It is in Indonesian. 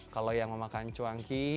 kalau yang mau makan cuanki